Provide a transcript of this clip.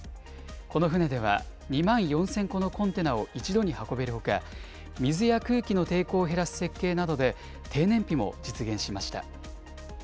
この船では２万４０００個のコンテナを一度に運べるほか、水や空気の抵抗を減らす設計などで低燃費も実現しました。